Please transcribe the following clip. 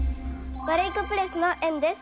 ワルイコプレスのえんです。